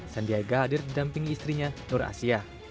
sandiaga hadir didampingi istrinya nur asia